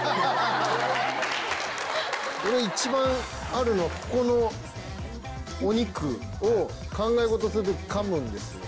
俺一番あるのここのお肉を考え事する時かむんですよ。